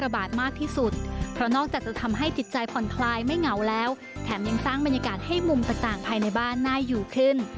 บรรยากาศให้มุมต่างภายในบ้านน่าอยู่ขึ้น